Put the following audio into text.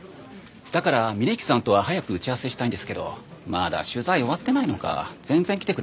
だから峯木さんとは早く打ち合わせしたいんですけどまだ取材終わってないのか全然来てくれなくて。